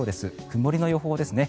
曇りの予報ですね。